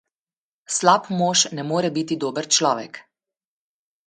Slab mož ne more biti dober človek.